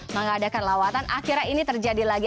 mengadakan lawatan akhirnya ini terjadi lagi